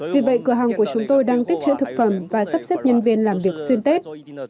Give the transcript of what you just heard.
vì vậy cửa hàng của chúng tôi đang tích trữ thực phẩm và sắp xếp nhân viên làm việc xuyên tết